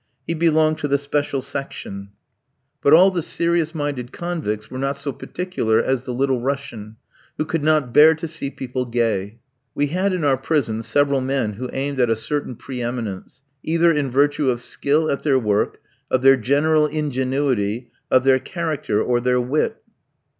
He belonged to the special section. But all the serious minded convicts were not so particular as the Little Russian, who could not bear to see people gay. We had in our prison several men who aimed at a certain pre eminence, either in virtue of skill at their work, of their general ingenuity, of their character, or their wit.